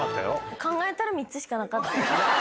考えたら、３つしかなかった。